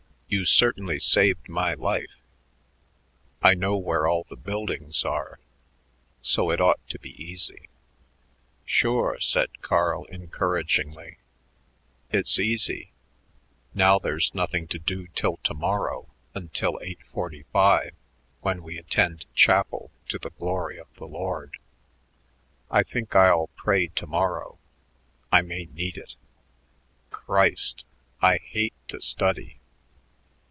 You certainly saved my life. I know where all the buildings are; so it ought to be easy." "Sure," said Carl encouragingly; "it's easy. Now there's nothing to do till to morrow until eight forty five when we attend chapel to the glory of the Lord. I think I'll pray to morrow; I may need it. Christ! I hate to study."